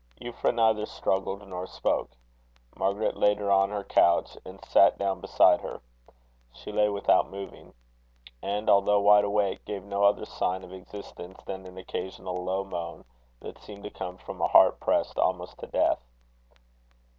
Euphra neither struggled nor spoke. Margaret laid her on her couch, and sat down beside her. She lay without moving, and, although wide awake, gave no other sign of existence than an occasional low moan, that seemed to come from a heart pressed almost to death.